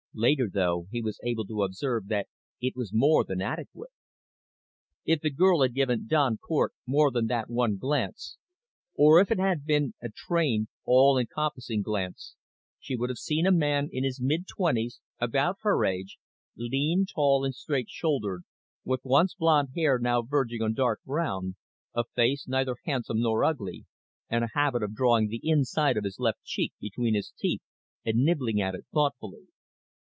Later, though, he was able to observe that it was more than adequate. If the girl had given Don Cort more than that one glance, or if it had been a trained, all encompassing glance, she would have seen a man in his mid twenties about her age lean, tall and straight shouldered, with once blond hair now verging on dark brown, a face neither handsome nor ugly, and a habit of drawing the inside of his left cheek between his teeth and nibbling at it thoughtfully.